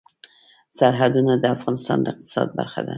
سرحدونه د افغانستان د اقتصاد برخه ده.